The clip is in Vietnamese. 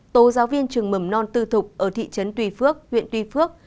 tố giáo viên trường mầm non tư thục ở thị trấn tùy phước huyện tuy phước